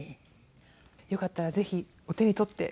よかったらぜひお手に取って。